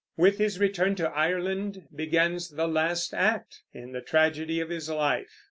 With his return to Ireland begins the last act in the tragedy of his life.